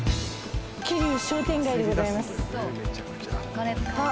桐生商店街でございます。